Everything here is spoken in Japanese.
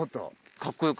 かっこよく。